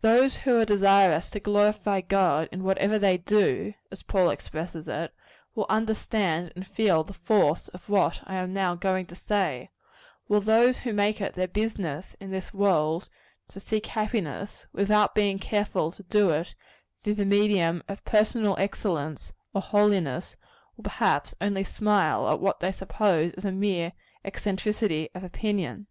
Those who are desirous to glorify God in whatever they do, as Paul expresses it, will understand and feel the force of what I am now going to say; while those who make it their business, in this world, to seek happiness, without being careful to do it through the medium of personal excellence or holiness, will perhaps only smile at what they suppose is a mere eccentricity of opinion.